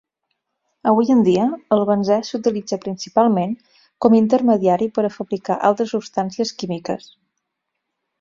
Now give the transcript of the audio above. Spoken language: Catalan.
Avui en dia, el benzè s'utilitza principalment com intermediari per a fabricar altres substàncies químiques.